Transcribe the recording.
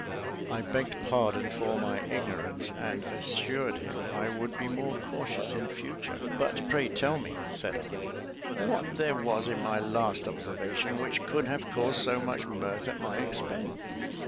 I begged pardon for my ignorance; and assured him I would be more cautious in future. "But pray tell me," said I, "what there was in my last observation which could have caused so much mirth at my expense?"